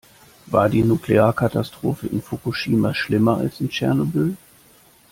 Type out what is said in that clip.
War die Nuklearkatastrophe in Fukushima schlimmer als in Tschernobyl?